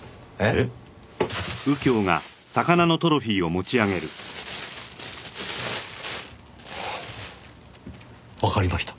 えっ？わかりました。